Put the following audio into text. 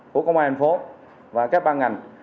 của công an thành phố và các ban ngành